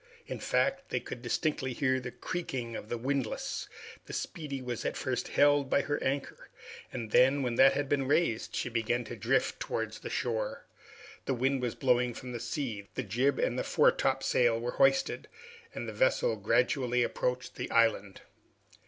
In fact, they could distinctly hear the creaking of the windlass. The "Speedy" was at first held by her anchor; then, when that had been raised, she began to drift towards the shore. The wind was blowing from the sea; the jib and the foretopsail were hoisted, and the vessel gradually approached the island.